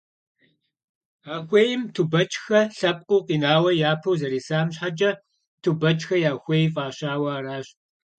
А хуейм Тубэчхэ лъэпкъыу къинауэ япэу зэрисам щхьэкӏэ, «Тубэчхэ я хуей» фӏащауэ аращ.